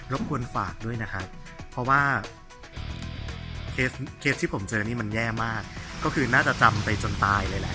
ควรฝากด้วยนะครับเพราะว่าเคสที่ผมเจอนี่มันแย่มากก็คือน่าจะจำไปจนตายเลยแหละ